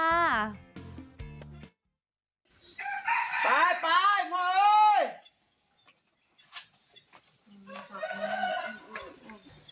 ไปมาเลย